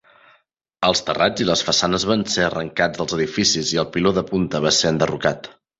Els terrats i les façanes van ser arrancats dels edificis i el piló de punta va ser enderrocat.